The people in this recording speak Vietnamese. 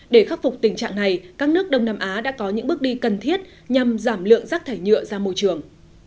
để khắc phục tình trạng này các nước đông nam á đã có những bước đi cần thiết nhằm giảm lượng rác thải nhựa ra môi trường